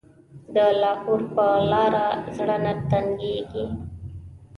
د لاهور په لاره زړه نه تنګېږي.